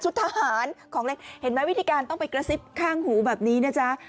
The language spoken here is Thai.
ทหารของอะไรเห็นไหมวิธีการต้องไปกระซิบข้างหูแบบนี้นะจ๊ะ